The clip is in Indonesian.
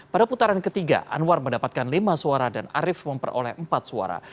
pada putaran ketiga anwar mendapatkan lima suara dan arief memperoleh empat suara